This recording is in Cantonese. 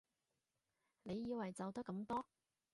你以為就得咁多？